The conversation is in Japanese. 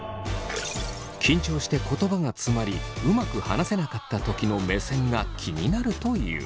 緊張して言葉がつまりうまく話せなかったときの目線が気になるという。